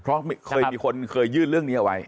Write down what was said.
เพราะเคยมีคนเคยยื่นเรื่องนี้เอาไว้